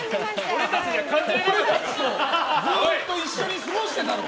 俺たちとずっと一緒に過ごしてたろ！